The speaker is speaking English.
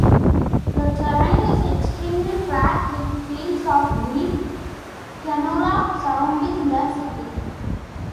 The terrain is extremely flat with fields of wheat and canola surrounding the city.